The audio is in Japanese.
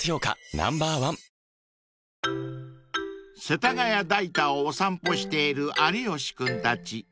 Ｎｏ．１［世田谷代田をお散歩している有吉君たち］